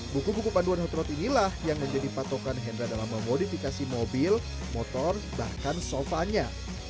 buku buku panduan hot road inilah yang menjadi patokan hendra dalam memodifikasi mobil motor bahkan sofanya